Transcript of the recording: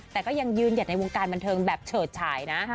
แต่ก็ยังยืนหยัดในวงการบันเทิงแบบเฉิดฉายนะ